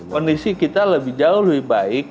kondisi kita lebih jauh lebih baik